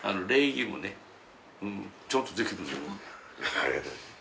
ありがとうございます。